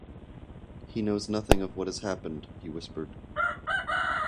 ‘He knows nothing of what has happened,’ he whispered.